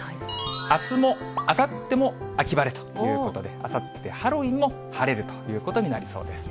あすも、あさっても秋晴れということで、あさってハロウィーンも晴れるということになりそうです。